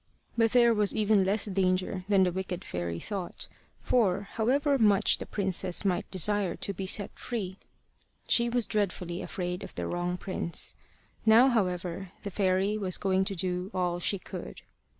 But there was even less danger than the wicked fairy thought; for, however much the princess might desire to be set free, she was dreadfully afraid of the wrong prince. Now, however, the fairy was going to do all she could.